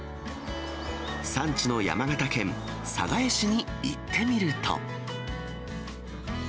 産地の山形県寒河江市に行ってみると。